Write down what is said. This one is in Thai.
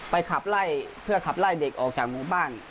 ขับไล่เพื่อขับไล่เด็กออกจากหมู่บ้าน